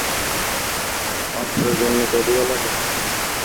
অস্ত্রের জন্য দঁড়িও লাগে?